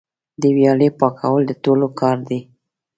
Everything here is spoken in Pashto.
د ویالې پاکول د ټولو کار دی؟